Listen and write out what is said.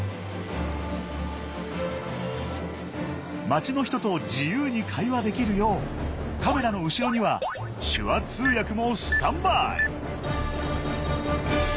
街の人と自由に会話できるようカメラの後ろには手話通訳もスタンバイ。